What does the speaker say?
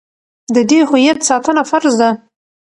د دې هویت ساتنه فرض ده.